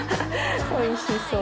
おいしそう。